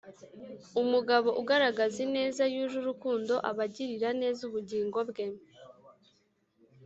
Umugabo ugaragaza ineza yuje urukundo aba agirira neza ubugingo bwe